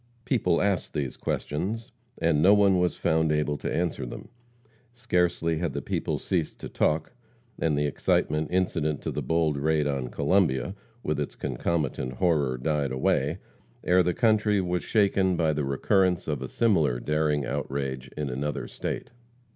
People asked these questions, and no one was found able to answer them. Scarcely had the people ceased to talk, and the excitement incident to the bold raid on Columbia, with its concomitant horror, died away, ere the country was shaken by the recurrence of a similar daring outrage in another state.